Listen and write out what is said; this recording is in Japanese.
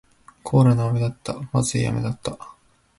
コーラ味の飴だった。不味い飴だった。